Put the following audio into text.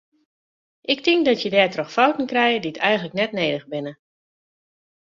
Ik tink dat je dêrtroch fouten krije dy eigenlik net nedich binne.